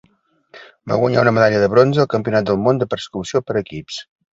Va guanyar una medalla de bronze al Campionat del món de Persecució per equips.